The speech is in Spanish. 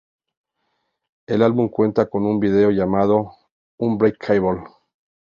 El álbum cuenta con un video llamado Unbreakable.